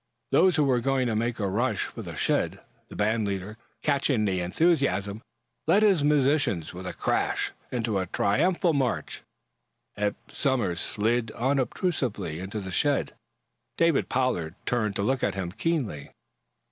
Those who were going made a rush for the shed. The band leader, catching the enthusiasm, led his musicians, with a crash, into a triumphal march. Eph Somers slid, unobtrusively, into the shed. David Pollard turned to look at him keenly.